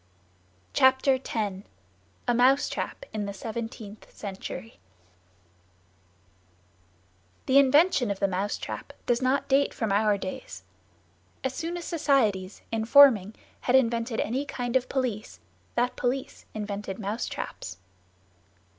Chapter X. A MOUSETRAP IN THE SEVENTEENTH CENTURY The invention of the mousetrap does not date from our days; as soon as societies, in forming, had invented any kind of police, that police invented mousetraps.